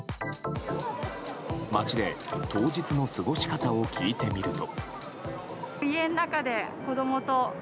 街で当日の過ごし方を聞いてみると。